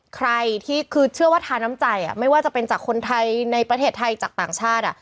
ใครที่คือเชื่อว่าทาน้ำใจไม่ว่าจะเป็นจากคนไทยในประเทศไทยจากต่างชาติ